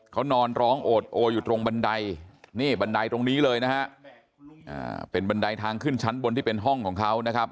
เขานอนร้องโอดโออยู่ตรงบันไดนี่บันไดตรงนี้เลยนะฮะเป็นบันไดทางขึ้นชั้นบนที่เป็นห้องของเขานะครับ